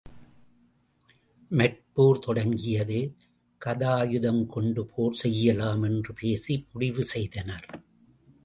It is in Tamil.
மற்போர் தொடங்கியது கதாயுதம் கொண்டு போர் செய்யலாம் என்று பேசி முடிவு செய்தனர்.